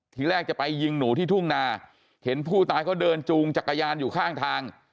ทีแรกจะไปยิงหนูที่ทุ่งนาเห็นผู้ตายเขาเดินจูงจักรยานอยู่ข้างทาง